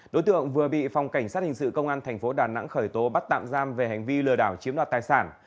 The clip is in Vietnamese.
đối tượng vừa bị phòng cảnh sát hình sự công an thành phố đà nẵng khởi tố bắt tạm giam về hành vi lừa đảo chiếm đoạt tài sản